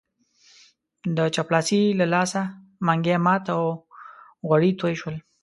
د چپړاسي له لاسه منګی مات او غوړي توی شول.